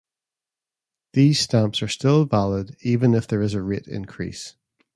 These stamps are still valid even if there is a rate increase.